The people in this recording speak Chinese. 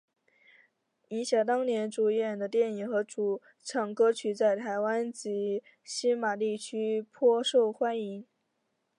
银霞当年主演的电影和主唱歌曲在台湾及星马地区颇受欢迎。